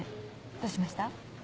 どうしました？